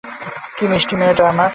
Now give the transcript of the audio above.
কী মিষ্টি মেয়েটা আমার!